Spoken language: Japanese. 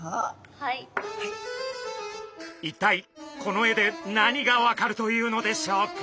一体この絵で何が分かるというのでしょうか？